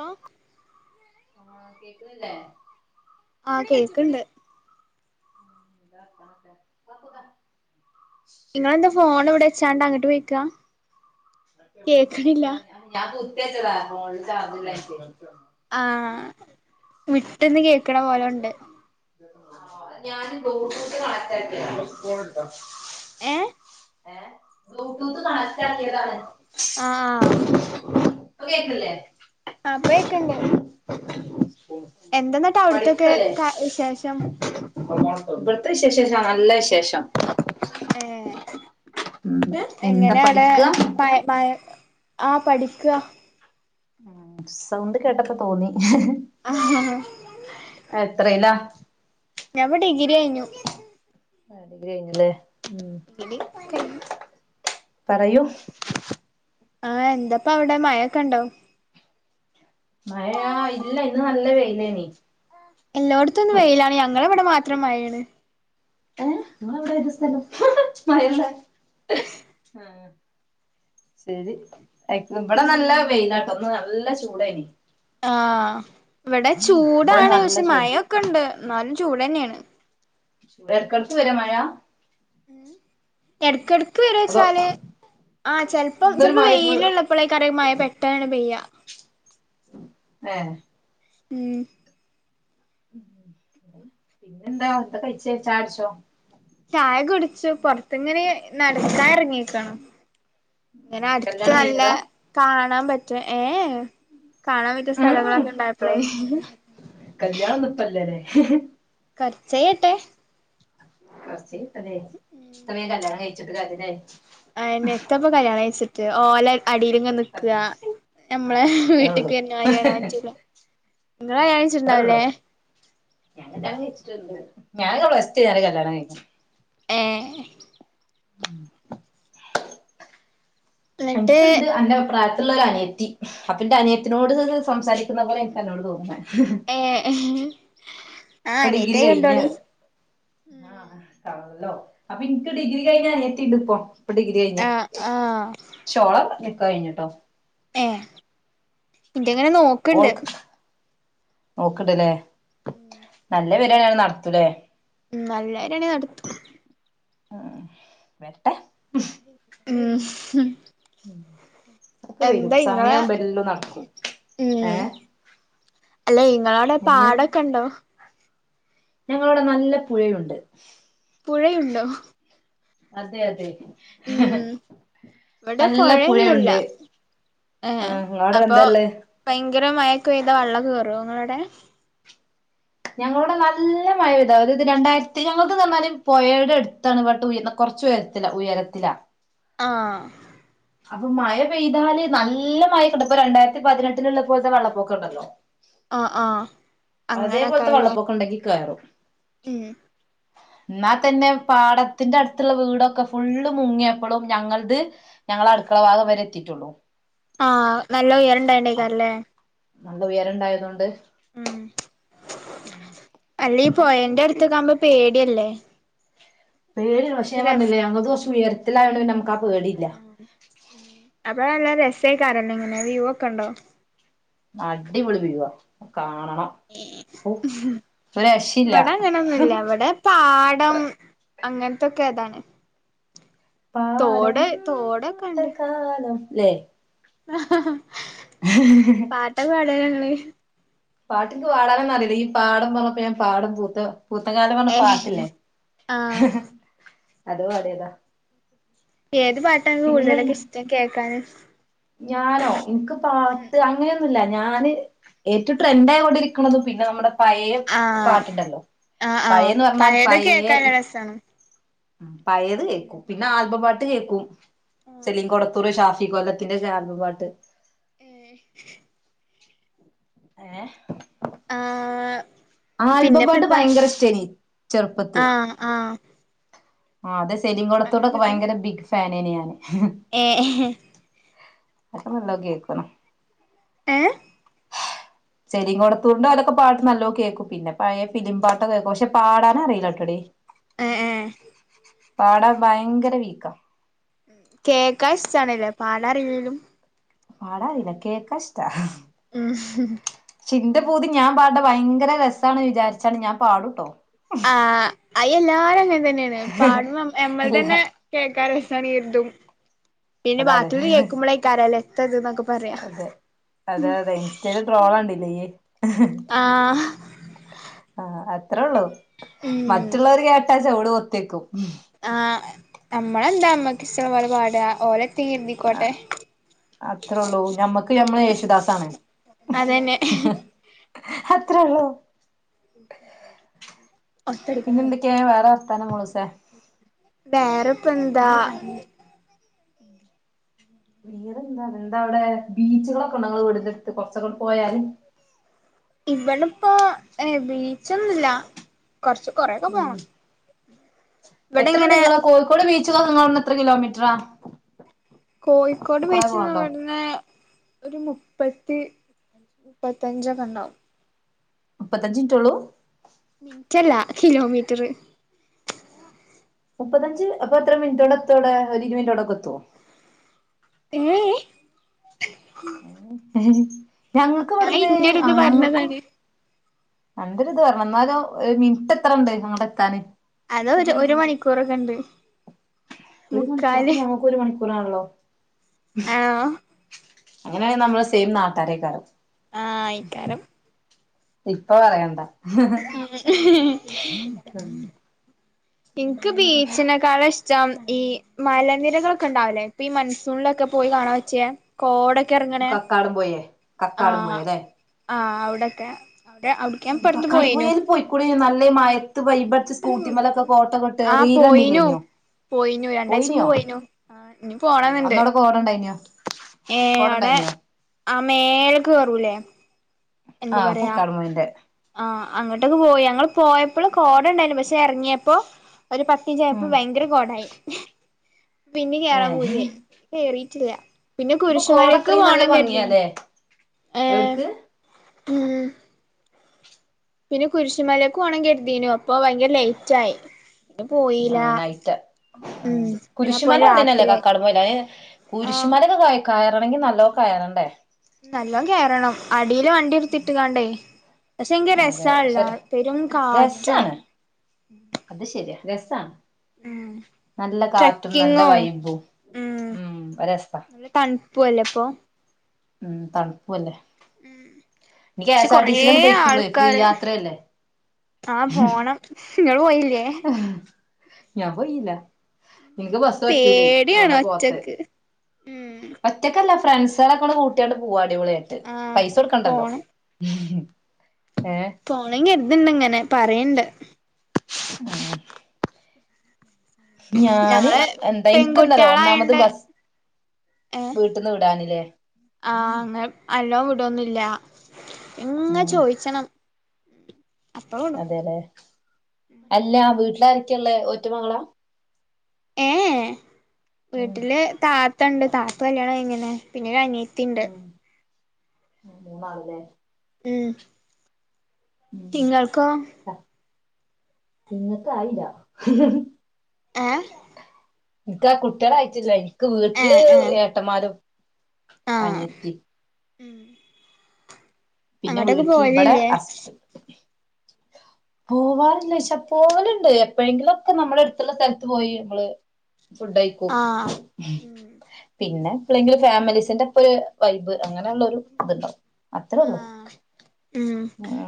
ആ ആ കേക്കുന്നില്ലേ ആഹ് കേക്ക്ണ്ട് ന്താ വർത്താനം ഓക്കെ [unintelligible] നിങ്ങെന്താ ഫോൺ ഇവിടെ വച്ചാണ്ട് അങ്ങിട്ട് പോയിക്കാ കേക്ക്ണില്ല ത്തിവെച്ചതാ ഫോണില് ചാർജ് ഇല്ലായിട്ടേ ആഹ വിട്ട്ന്ന് കേൾക്ക്ണ പോലെ ഉണ്ട് ഞാൻ ബ്ലൂടൂത്ത് കണക്ട് ആക്കിയത് ഏഹ് ഏ ബൗട്ടൂത്ത് കാണ ക്ട് ആകിയതാ ആ ആ പ്പ കേക്കല്ലേ അപ്പയക്കണ്ട് എന്തെന്നാട്ടാ അവിടത്തൊക്കെകാ വിശേഷം ഇവി ടുത്തെ വിശേഷം നല്ല വിശേഷം ഏ ഉം എന്താ എങ്ങനെ അവിടെ പഠിക്കാ മ മ ആ പഠിക്ക ഉ സൗണ്ട് കേട്ടപ്പോ തോന്നി എത്രല്ല ഞപ്പ ഡിഗ്രി കയിഞ്ഞു ആഹ ഡിഗ്രി കഴഞ്ഞല്ലേ ഡിഗ്രി കഴിഞ്ഞു പറയൂ ആഹ എന്താപ്പ അവിടെ മഴൊക്കെ ഇണ്ടോ മഴ ഇല്ല ഇന്ന് നല്ല വെയ പിന്നനി എല്ലായിടത്തൊന്ന് വെയിലാണ് ഞങ്ങളവിടെ മാത്രമായിണ് ഹേ ഇങ്ങള് വിടെ ഏത് സ്ഥലം മഴല്ലെ ശരി ഇവിടെ നല്ല ഉം വെയിലാട്ട ന്ന് നല്ല ചൂടേനി ആഹ് ഇവിടെ ഇപ്പഴും ചൂടാണ് നല്ല പക്ഷെ ചൂടാ മയൊക്കെ ഉണ്ട് നാലും ചൂട് ന്നെയാണ് വേർക്കെടത്ത് വരെ മഴ ഇയ്യെടുത്ത് വര അതോ വെച്ചാല് ആ ചെലപ്പോ ഇന്നൊരു ചെലപ്പോ മഴ ഫുൾ വെയിലള്ളപ്പോഴ കറ മഴ പെട്ടാന്ന് പെയ്യ ആഹ് ഉം ഉം എന്താ എന്താ കഴിച്ച ചായുടിച്ചോ? ചായ കുടിച്ചു പൊറത്തിങ്ങനെ നടക്കാ ഇറങ്ങിക്കണ് ഇങ്ങനെ അടുത്ത് കല്യാണം നല്ല കഴിഞ്ഞതാ കാണാൻ കാണാൻ പറ്റും ഏഹ് കാണാൻ പറ്റിയ ഉം സ്ഥലങ്ങളൊക്കെ ഉണ്ടായപ്പോളെ ഇപ്പളും കല്യാണം ഒന്നും ഇപ്പല്ലല്ലേ കുറച്ചയട്ടെ അസി അതെ സമയം കല്ല്യാണം കഴിഞ്ഞ് ചക്കതിനായിരിക്കും ആയ്നെത്തപ്പോ കല്യാണം കഴച്ചിട്ട് ഓല് അടിയിൽ ഇങ്ങനെ നിക്കാ നമ്മളെ ആഹ് അത്രേ ഉള്ളൂ വീട്ടിക്ക് വന്നമാതിരി വരാൻ പറ്റുല്ല. നിങ്ങൾ കല്ല്യാണം കഴിച്ച് അത്രേ ഉള്ളൂ ഇണ്ടാവുവല്ലേ? ഞാൻ കല്യാണം കഴിച്ചിട്ടിണ്ട് ഞാനൊക്കെ പ്ലസ് ടു കഴിഞ്ഞപ്പോൾ കല്യാണം കഴിഞ്ഞ്. ഏഹ് ഉം [unintelligible] എന്നിട്ട് എനിക്കുണ്ട് എന്റെ അഭിപ്രായത്തിലുള്ള ഒരു അനിയ യത്തി അപ്പന്റെ അനിയത്തിനോട് സംസാരിക്കുന്ന പോലെ എനിക്ക് എന്നോട് തോന്നുനേ ഏഹ് ഇപ്പ ഡിഗ്രി കഴിഞ്ഞ് ആഹ് [unintelligible] ല്ലോ അപ്പൊ എനിക്ക് ഡിഗ്രി കഴിഞ്ഞ അനീയത്തിണ്ട് ഇപ്പൊ ഡിഗ്രി കഴിഞ്ഞ് ആ ആ ചോളം കഴിഞ്ഞിട്ടോ ഏഹ് ഇന്റെ ഇങ്ങനെ നോക്കണ്ട് ഓക്കിണ്ടല്ലേ [inaudible] നല്ല വരിയാണെ നടത്തുല്ലേ ഉം നല്ലരണെ നടത്തും ആഹ് വരട്ടെ ഉ ഉം ഉം എന്താ ഇങ്ങളെ ഉം ഏഹ് അല്ലെ ഇങ്ങളോടെ എങ്ങനെ പാടൊക്കെ ഉണ്ടോ? ഞങ്ങളവിടെ നല്ല പുഴയുണ്ട് പുഴയുണ്ടോ അതെ അതെ ഉം ഇവിടെ നല്ല പുഴയൊന്നുല്ല പുഴയുണ്ട് ആ ങ്ങടെ എന്താല്ലേ ഭീങ്കര മയക്ക ചെയ്താ വെള്ളം കയറും നിങ്ങളോടെ ഞങ്ങളടെ നല്ല മഴ പയ്ത അത് രണ്ടായിരത്തി ഞങ്ങൾക്ക് തന്നാലും പുയയുടെ അടുത്താണ് ഇട്ട് ഉയർ കുറച്ച ഉയരത്തിലാ ഉയരത്തിലാ ആ അപ്പൊ മഴ പെയ്താല് നല്ല മഴ കിട്ട ഇപ്പൊ രണ്ടായിരത്തി പതിനെട്ടിലള്ളപ്പോലത്തെ വെള്ളപ്പൊക്ക ഉണ്ടല്ലോ ആ ആ അതേപോലത്തെ അങ്ങനൊക്കെല്ലേ വെള്ളപ്പൊക്കം ഉണ്ടൊക്കി കയറും ഉം എന്നാൽ തന്നെ പാടത്തിന്റെ അടുത്തുള്ള വീടൊക്കെ ഫുള്ള് മുങ്ങിയപ്പോഴും ഞങ്ങളത് ഞങ്ങള അടുക്കള ഭാഗം വരെ എത്തിയിട്ടുള്ളൂ ആഹ് നല്ല എ ണ്ടണ്ടക്ക അല്ലേ നല്ല ഉയര ഉണ്ടായതുകൊണ്ട് ഉം അല്ലീ അപ്പം പോയന്റെ അടുത്തൊക്ക ആവുമ്പോ പേടിയല്ലേ പേടില്ല പഷ്യഞാൻ രസ് പറഞ്ഞില്ലേ ഞങ്ങടെത്തു കുറച്ചു ഉയരത്തിൽ എല്ലാവട നമക്ക പേടില്ല. അപ്പോഴ നല്ല രസക്കാരല്ലെ ഇങ്ങനെ വ്യൂ ഒക്കെ ഉണ്ടോ? അടിപൊളി വ്യൂവാ. കാണണം ഒരു രക്ഷയില്ല. ഇവിടെ അങ്ങനൊന്നുല്ല ഇവിടെ പാടം അങ്ങനത്തൊക്കെ അതാണ്. പാടം തോട് തോടൊക്കൊണ്ട്. ലെ അഹ. പാട്ടൊക്കെ പാട ഞങ്ങള് പാട്ടിക്ക് പാടാനന്ന അറിയല്ല ഈ പാടം പറഞ്ഞപ്പോ ഞൻ പാടം പൂത്ത പൂത്തകാലം പറഞ്ഞ ര് ഏഹ് പാട്ടില്ലേ ആഹ് അതോ അതേതാ? ഏത് പാട്ടാ നിങ്ങക്ക് കൂടുതലൊക്കെ പിന്നെന്താ ഇഷ്ടം കേക്കാന് ഞാനോ എന്ക്ക് ഉം പാത്ത് അങ്ങനെ ല്ല ഞാന് ഏറ്റൊ ട്രെൻ് ആയൊണ്ടിരിക്കണത് പിന്നെ നമ്മുടെ പഴയെ ആഹ് പാട്ടുണ്ടല്ലോ ആഹ് ആഹ് പഴയന്ന് പറഞ്ഞാൽ പഴയത് പഴയെ കേക്കാൻ ഇ നല്ല രസാണ് ആം. പയത് കേക്കും പിന്നെ ആൽബം പാ ട്ട് കേക്കും. ആഹ് ചെലിം കൊടത്തൂർ ശാഫ് ഫി കൊല്ലത്തിന്റെ ചാപ്പുപാട്ട് ഏ ഏഹ് ആഹ്. പിന്നെപ്പ ആൽബപ്പാട്ട് എന്താ ഭയങ്കര ഇഷ്ടെനി ചെറുപ്പത്ത് ആഹ് ആഹ് ആഹ് അതെ സ് അത് ചെലിംകോടർത്ന്റൊക്കെ കഴിയുമ്പത്തേനും ഭയങ്കര ബിഗ് ഫാനയെന് ഞാന് ഏഹ്. [unintelligible] കേക്കുന്നു ഏഹ് ചെലിം കൊടർത്തുന്റോ അതൊക്കെ പാട്ട് നല്ലോ കേക്കും. പിന്നെ പയേ ഫിലിം പാട്ട് കേക്കും. പക്ഷെ പാടാൻ അറിയില്ല കേട്ടോടി. ഏഹ് ഏഹ്. പാടാ ഭയങ്കര വീക്കാ. ഉം കേക്കാ ഇഷ്ടാണല്ലേ പാട അറില്ലിലും. പാടാറില്ല കേക്കഇഷ്ട. ഉം. ചിൻന്റെ പൂതി ഞാൻ പാട്ണ ഭയങ്കര രസാണ വിചാരിച്ചാണ് ഞാൻ പാടൂട്ടോ. ആ അയ് എല്ലാരും അങ്ങനെ തന്നെയാണ് പാടും എമ്മൾ ഇല്ല തന്നെ കേൾക്കാൻ രസേണിതും അതാണ് ല്ലേ എത്താ ഇത് ന്നൊക്കെ പറയാ അതെ അതെ അതെ ഇൻസ്റ്റേല് ട്രോള് കണ്ടില്ലേ നീ ആഹ് ആ അത്രേള്ളു ഉം മറ്റുള്ളവർ കേട്ടാ എവിടേം ഒത്തിക്കും ആ നമ്മളെന്താ മ്മക്ക് ഇഷ്ടം പോലെ പാടുക ഓരെ ആ അത്രേ ഉള്ളൂ. ഞമ്മക്ക് ഞമ്മള് യേശുദാസ് ആണ് അതന്നെ അത്രേള്ളൂ ഒറ്റടിക്കാ പിന്നെ എന്തൊക്കെയാ വേറെ വർത്താനം മോളുസേ വേറെപ്പ എന്താ വേറെന്താ എന്താ അവിടെ ബീച്ചുകളൊക്കെ ഉണ്ടോ നിങ്ങള വീടിന്റെ അടുത്ത് കൊറച്ചങ്ങട്ട് പോയാല് ഇവിടെ ഇപ്പൊ ഏ ബീച്ചൊന്നും ഇല്ല കൊർച്ച് കുറേക്ക ഉം പോണം ഇവിടെ എത്രണ്ട് ഇങ്ങനെ നിങ്ങള കോഴിക്കോട് ബീ ച്ച് ങ്ങളവ്ട്ന്ന്ത്ര കിലോമീറ്ററാ കോഴിക്കോട് കൊറെ ബിച്ചിന്ന് പോവാണ്ടോ ഇവിടുന്ന് ഒരു മുപ്പത്തി മുപ്പത്തഞ്ചക്കെ ഉണ്ടാവും മുപ്പത്തഞ്ച് ന്ട്ടെ ഉള്ളൂ നിറ്റല്ല കിലോമീറ്ററ് മുപ്പത്തഞ്ച് അപ്പൊ എത്ര മിനിറ്റോണ്ട് എത്തും അവിടെ ഒരു ഇരുപത്നിറ്റോണ്ടൊക്കെ എത്തുവോ ഏ ഏഹ് ഉം ഞങ്ങക്ക് ഞാൻ ഇവിടന്ന് ഇന്റെ ഒരു ആ ഇത് ഞങ്ങക്കോ പറഞ്ഞതാണ് എന്റെ ഒരു ഇത് പറഞ്ഞു എന്നാലോ ഒരു മിനിറ്റ് എത്ര എണ്ട് അങ്ങടെത്താന്? അത് ഒരു ഒരു മണിക്കൂറക്കെ എണ്ട്. ഒരു മണിക്കൂറോ അപ്പ ഞങ്ങക്ക് ഒരു മണി ക്കൂറാണല്ലോ. [inaudible] ആണോ അങ്ങനെയാണെങ്കിൽ നമ്മള് സെയിം നാട്ടാരേക്കാരം. ആഹ് ആയിക്കാരം. ഇപ്പൊ പറയണ്ട [unintelligible] [unintelligible] എനിക്ക് ബീച്ചിനെക്കാള ഇഷ്ടം ഈ മലനിരകളൊക്കെ ഉണ്ടാവലേ ഇപ്പൊ ഈ മൺസൂണിലൊക്കെ പോയി കാണാൻ പറ്റ്യകോട കക്കാടം പോയേ കക്കാട പോയ അല്ലെ ആഹ് അവിടൊക്കെ അവിടെ അവിടക്ക് ഞാൻ ഇപ്പടുത്ത് കക്കാട് പോയിനു പോയിൽ പോയിക്കൂടി നല്ല ല്ല മഴയ ത്ത് വൈബടിച്ചു സ്കൂട്ടിമലൊക്കെ കോട്ടോക്കെ ഇട്ട് ആഹ് പോയിനു റീലണ്ടീല്ലെനിയോ നോ പോയിനു രണ്ടാഴ്ച മുമ്പ് പോയിനോ പോയിനു ആഹ് ഇനി പോണന്നുണ്ട് അന്നവിടെ കോടണ്ടായിനോ കോടണ്ടായിനോ ആ മേലെക്ക്കേറൂല്ലേ ആഹ് കക്കാടം പുഴന്റെ. ആഹ് അങ്ങോട്ടൊക്കെ പോയി ഞങ്ങള് പോയപ്പോകോട ഉണ്ടായിരുന്നു പക്ഷെ ഇറങ്ങിയപ്പോ ഒരു പത്തിഞ്ച് ആയപ്പ ഉം ഭയങ്കര കോടായി. പിന്നെ കേറാൻ ഏഹ് പൂതി ആയി കേറി റ്റില്ല പിന്നെ അപ്പൊ കോട കുരിശുമലക്ക് അത്രയും നല്ല പോണം കരി തിണ് ഭംഗിയാല്ലേ ഏ എവിട്ക്ക് പിന്നെ കുരിശുമാല ക്കുവാണെ കരുതീനു അപ്പൊ ഭയങ്കരല്ലേ [inaudible] ട്ടായി ആ നൈറ്റ് ഉം പിന്നെ അപ്പൊ ഉംകുരിശുമല അവിടെന്നെല്ലേ രാത്രിയായി കക്കാളം പോല അ ആഹ് കുരിശുമല ഒക്കെ ക കയറണെങ്കി നല്ലോെ കയറണ്ടേ നല്ലണം കയറണം അ അടിൽ വണ്ടി എടുത്തിട്ട കാണ്ടേ പക്ഷെ എങ്ക അതെ രസല്ല ശരി പെരും കാറ്റും- രസാ ഉം നല്ല കാറ്റും നല്ല ട്രെക്കിങ്ങും വൈബും ഉം ഒരസ്സാ പ്പം ഉം തണുപ്പു അല്ലേ ഉം ഇനി K S R T C ലാണ്ട് പോയിക്കൂടെ ഫ്രീ യാത്രയല്ലേ ആഹ് പോണം നിങ്ങള് പോയി ല്ലേ ഞാൻ പോയീല്ല ഇന്ക്ക് ബസ്സ് പറ്റൂലേ പേടിയാണ് അതോണ്ടാ പോവാത്തെ ഒറ്റക്ക് ഉം ഒറ്റക്കല്ല ഫ്രണ്ട്സുകളൊക്കണ്ട് കൂട്ടിയങ്ങട് പോവാ അടിപൊളിആയിട്ട് ആഹ് പൈസ കൊടുക്കണ്ടല്ലോ ഏഹ് പോണെങ്കര് ത്ണ്ട് ങ്ങനെ പറയ്ണ്ട് ആ ഞങ്ങള് എന്താ എനിക്കെന്താറിയോ ഒന്നാമത് പെൺകുട്ടിയാളായോണ്ട് ബസ് ഏ വീട്ടിന്ന് വിടാനില്ലേ ആ അങ്ങനെ നല്ലോം വിടൊന്നില്ല ഇങ്ങ ഉം ചോയ്ച്ചണം അതെല്ലേ അല്ല വീട്ടിലാര ക്കേള്ളെ ഒറ്റമകള ഏഎ ഉം വീട്ടില് താ ത്തണ്ട് താത്ത കല്യാണം കഴിഞ്ഞിണ് പിന്നെരു അനിയ ത്തിണ്ട് ഉം മൂന്നാള് ലെ ഉം ഇങ്ങൾക്കോ ഇങ്ങക്ക്‌ ആയില്ല ഏ ഇൻക്ക് ആ ‌ കുട്ട്യള് ആയിട്ടില്ലയ്ന് ഇൻക് ഏ വീട്ടില് ഏ ഏട്ടന്മാരും പനിയത്തി ഉം പിന്നെ അങ്ങോട്ടൊക്കെ വീട്ടിൽ ഇവിടെ പോവലില്ലേ പോവാറില്ലെയ്ച്ച പോവല്ണ്ട് എപ്പഴെങ്കിലും ഒക്കെ നമ്മുളെട് ത്ത്ള്ള സ്ഥലത്ത് പോയി നമ്മള് ഫുഡയിക്കും ആ ഉം പിന്നെ എപ്പളെങ്കിലും ഫാമിലീസിന്റെ പ്പൊ രു വൈബ് അങ്ങനെള്ള ഒരു ത് ണ്ടാവും അത്രേള്ളു ആ ആ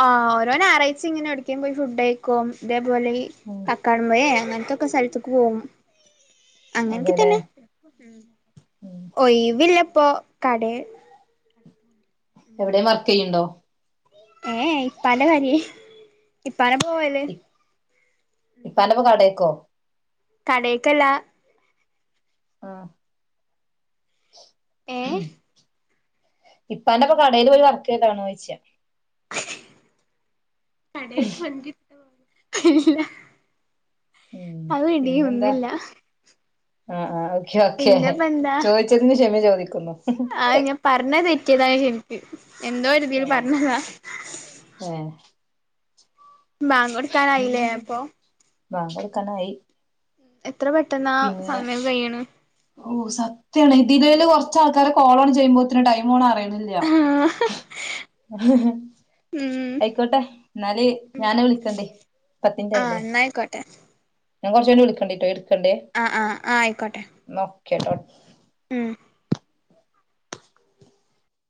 ആ ഓരോ ഞായറായ്ച്ചിം ഇങ്ങനെ ഏട്ക്കെ പോയി ഫുഡയിക്കും ദേ പോലെയി ഉം കക്കാടം പൊയെ അങ്ങനെ തൊക്ക സൽത്ക്ക് പോവും അങ്ങനൊക്കെ അതെല്ലേ തന്നെ ഉം ഒയിവില്ല പ്പോ കടെ എവിടേം വർക്കെയ്യുണ്ടോ ഏ പല കരി ഇ ഇപ്പന്റെപ്പം കടെക്കോ കടെക്കല്ല ആ ഏ ഇപ്പാന്റെപ്പം കടെലോയി വർക്കെ യ്താണോയ്ച്ച [inaudible] [unintelligible] ഹി ല്ല ഉം അത് ഡീ ഒന്നു ല്ല ആ ആ പിന്നപ്പെന്താ ചോദിക്കുന്നു ആ ഞാൻ പറഞ്ഞത് തെറ്റിയതാണ് ശരിക്ക് എന്തോ തിൽ പറഞ്ഞതാ ഏഹ് ബാങ്ക്കൊടുക്കാനായില്ലേ അപ്പൊ ബാങ്കോട്ക്കാനായി [inaudible] എത്ര പെട്ടന്നാ സമയം കയ്യിണ് ഓ സത്യാണ് ഇതിലേല് കൊറച്ചാൾക്കാരെ കോളങ്ങട്ട് ചെയ്യുമ്പോത്തിന് ടൈമ് പോണ അറിയു ന്നില്ല ആഹ് ഹ് ഹ് അയ്ക്കോട്ടെ ന്നാല് ഉം ഞാൻ വിളിക്കണ്ട് പത്തിൻറ്റ് ആഹ് ആയില്ലേ എന്നായിക്കോട്ടെ ഞൻ കൊറച്ചയിഞ്ഞിട്ട് വിളിക്കണ്ട് ട്ടോ എടുക്കണ്ട് അ അ ആ യിക്കോട്ടെ ക്കെ ട്ടോ മം